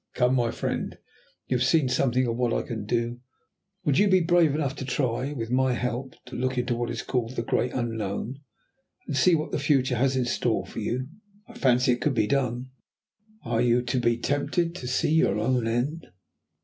Come, my friend, you have seen something of what I can do; would you be brave enough to try, with my help, to look into what is called The Great Unknown, and see what the Future has in store for you? I fancy it could be done. Are you to be tempted to see your own end?"